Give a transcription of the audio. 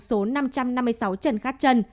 số năm trăm năm mươi sáu trần khát trân